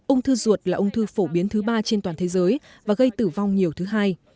ung thư ruột là ung thư phổ biến thứ ba trên toàn thế giới và gây tử vong nhiều thứ hai